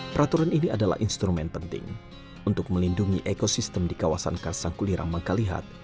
peraturan ini adalah instrumen penting untuk melindungi ekosistem di kawasan karsangkulirang mengkalihat